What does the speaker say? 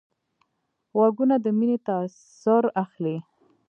غوږونه د مینې تاثر اخلي